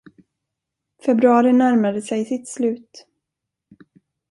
Februari närmade sig sitt slut.